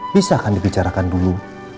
bisa kan dibicarakan dulu